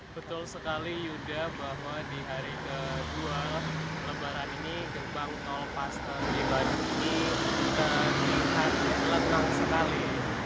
betul sekali yuda bahwa di hari kedua lebaran ini gerbang tol paster di bandung ini terlihat lengang sekali